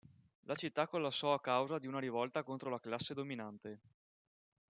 La città collassò a causa di una rivolta contro la classe dominante.